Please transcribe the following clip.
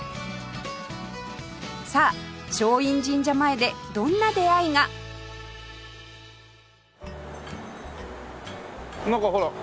さあ松陰神社前でどんな出会いが？なんかほら